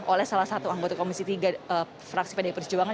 oleh salah satu anggota komisi tiga fraksi pdi perjuangan